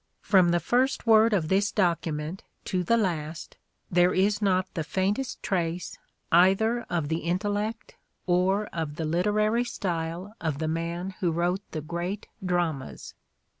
From the first word of this document to the last there is not the faintest trace either of the intellect or of the literary style of the man who wrote the great dramas.